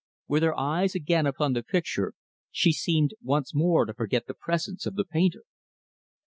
With her eyes again upon the picture, she seemed once more to forget the presence of the painter.